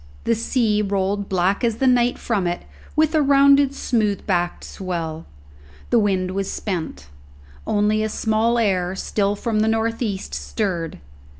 The sea rolled black as the night from it, with a rounded smooth backed swell; the wind was spent; only a small air, still from the north east, stirred.